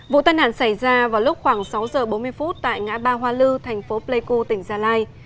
vụ tai nạn xảy ra vào lúc khoảng sáu giờ bốn mươi phút tại ngã ba hoa lư thành phố pleiku tỉnh gia lai